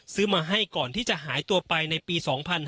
ซื้อมาให้ก่อนที่จะหายตัวไปในปี๒๕๕๙